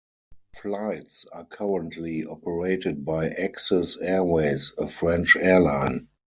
Flights are currently operated by Axis Airways, a French airline.